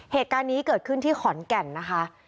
เหตุการณ์นี้เกิดขึ้นที่ขอนแก่นนะคะ